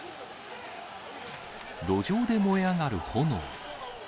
路上で燃え上がる炎。